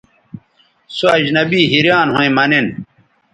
سو اجنبی حیریان َھویں مہ نِن